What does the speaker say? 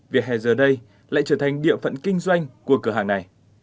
vỉa hè giờ đây lại trở thành địa phận kinh doanh của cửa hàng này